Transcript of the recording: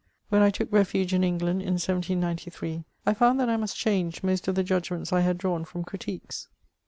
When 1 took refuge in England in 1793, I found that I must change most of the judgments I had drawn from critiques.